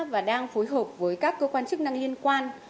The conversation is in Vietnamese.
và đang phối hợp với các cơ quan chức năng liên quan